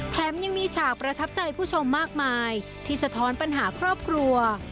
แถมยังมีฉากประทับใจผู้ชมมากมายที่สะท้อนปัญหาครอบครัว